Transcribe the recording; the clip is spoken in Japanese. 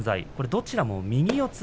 どちらも右四つ